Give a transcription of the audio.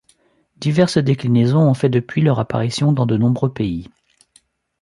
Diverses déclinaisons ont fait depuis leur apparition dans de nombreux pays.